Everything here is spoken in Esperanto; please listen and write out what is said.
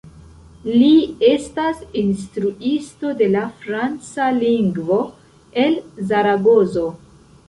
Li estas instruisto de la franca lingvo el Zaragozo.